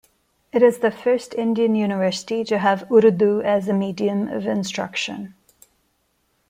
It is the first Indian university to have Urdu as a medium of instruction.